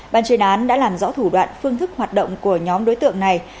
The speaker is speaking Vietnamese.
ban chuyên án đã làm rõ thủ đoạn phương thức hoạt động của nhóm đối tượng này